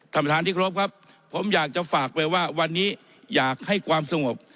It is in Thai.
ท่านประธานที่ครบครับผมอยากจะฝากไปว่าวันนี้อยากให้ความสงบ